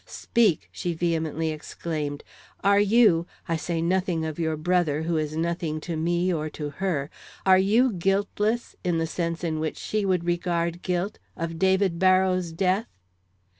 "Speak!" she vehemently exclaimed. "Are you I say nothing of your brother, who is nothing to me or to her are you guiltless, in the sense in which she would regard guilt, of David Barrows' death?"